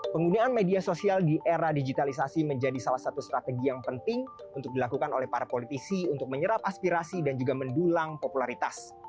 penggunaan media sosial di era digitalisasi menjadi salah satu strategi yang penting untuk dilakukan oleh para politisi untuk menyerap aspirasi dan juga mendulang popularitas